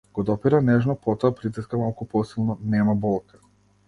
Го допира нежно, потоа притиска малку посилно, нема болка.